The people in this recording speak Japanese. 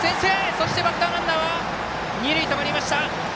そして、バッターランナーは二塁、止まりました。